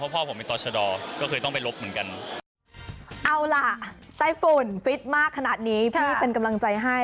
เพราะพ่อผมเป็นตัวชะดอก็คือต้องไปลบเหมือนกัน